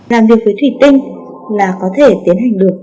làm việc với thủy tinh là có thể tiến hành được